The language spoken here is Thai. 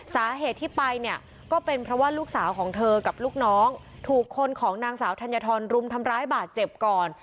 สาเหตุที่ไปเนี่ยก็เป็นเพราะว่าลูกสาวของเธอกับลูกน้องถูกคนของนางสาวธัญฑรรุมทำร้ายบาดเจ็บก่อน